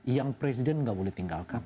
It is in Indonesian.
yang presiden nggak boleh tinggalkan